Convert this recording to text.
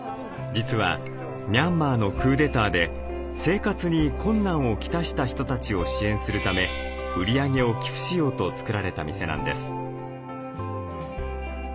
実はミャンマーのクーデターで生活に困難をきたした人たちを支援するため売り上げを寄付しようと作られた店なんです。